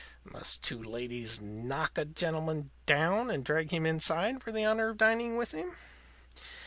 Must two ladies knock a young gentleman down and drag him inside for the honor of dining with 'em?